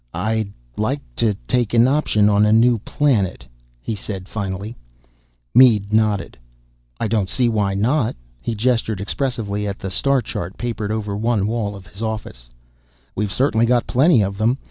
"I'd like to take an option on a new planet," he finally said. Mead nodded. "I don't see why not." He gestured expressively at the star chart papered over one wall of his office. "We've certainly got plenty of them.